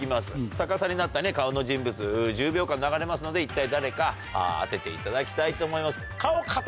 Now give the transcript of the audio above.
逆さになった顔の人物１０秒間流れますので一体誰か当てていただきたいと思います。